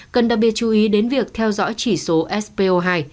cần đặc biệt chú ý đến việc theo dõi chỉ số spo hai